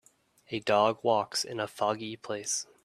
A dog walks in a foggy place